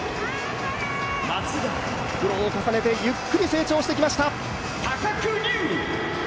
苦労を重ねてゆっくり成長してきました。